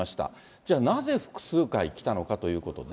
じゃあ、なぜ複数回来たのかということで。